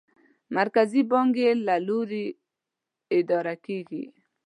مرکزي بانک یې له لوري اداره کېږي.